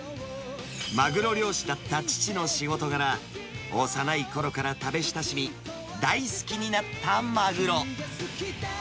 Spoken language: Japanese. マグロ漁師だった父の仕事柄、幼いころから食べ親しみ、大好きになったマグロ。